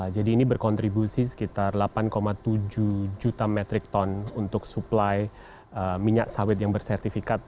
ini berkontribusi sekitar delapan tujuh juta metrik ton untuk suplai minyak sawit yang bersertifikat